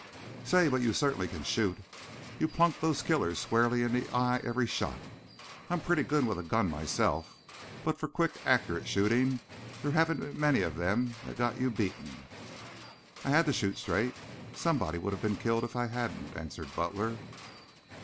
"Say, but you certainly can shoot. You plunked those killers squarely in the eye every shot. I'm pretty good with the gun myself, but for quick, accurate shooting there haven't many of them got you beaten." "I had to shoot straight. Somebody would have been killed if I hadn't," answered Butler.